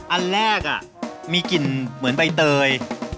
อันแรกมีกลิ่นเหมือนใบเตย